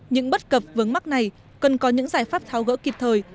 những bất cập vướng mắc này cần có những giải pháp tháo gỡ kịp thời